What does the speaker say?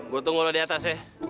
gue tunggu lo di atas ya